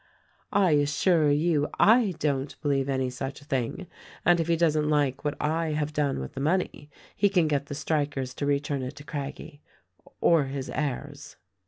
I assure you I don't believe any such thing ; and if he doesn't like what I have done with the money he can get the strik ers to return it to Craggie — or his heirs.